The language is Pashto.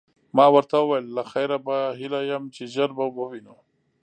ما ورته وویل: له خیره، په هیله یم چي ژر به ووینو.